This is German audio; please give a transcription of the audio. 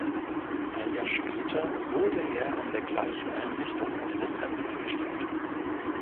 Ein Jahr später wurde er an der gleichen Einrichtung als Dozent eingestellt.